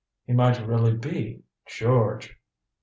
"He might really be George."